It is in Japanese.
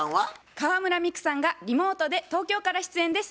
河邑ミクさんがリモートで東京から出演です。